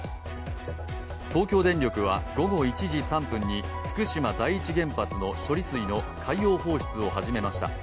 東京電力は午後１時３分に福島第一原発の処理水の海洋放出を始めました。